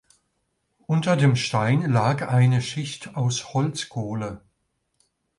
Unter dem Stein lag eine Schicht aus Holzkohle.